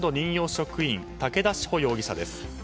職員武田詩穂容疑者です。